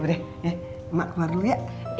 emak keluar dulu ya